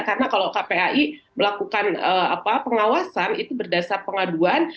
karena kalau kpai melakukan pengawasan itu berdasar pengaduan